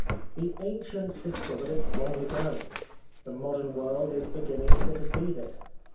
The ancients dis covered it long ago ; the modern world is be ginning to perceive it.